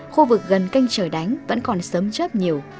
khu vực gần canh trời đánh vẫn còn sấm chớp nhiều